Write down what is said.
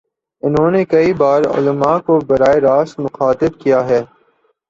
انہوں نے کئی بارعلما کو براہ راست مخاطب کیا ہے۔